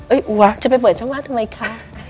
อัวจะไปเปิดช่องว่างทำไมคะ